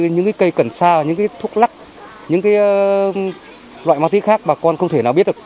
những cây cần sa những thuốc lắc những loại ma túy khác bà con không thể nào biết được